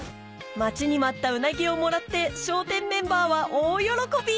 待ちに待ったうなぎをもらって笑点メンバーは大喜び！